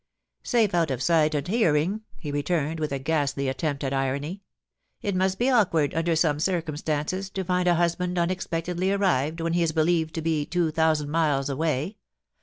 * Safe out of sight and hearing,' he retximed, with a ghastly attempt at irony. *It must be awkward, under some cir cumstances, to find a husband unexpectedly arrived when he is believed to be two thousand miles away.